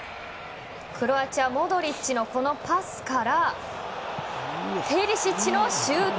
クロアチアモドリッチのこのパスからペリシッチのシュート。